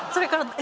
え？